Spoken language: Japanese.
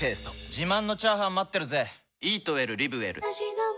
自慢のチャーハン待ってるぜ！